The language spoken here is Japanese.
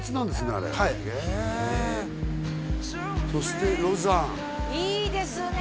あれはいそして盧山いいですね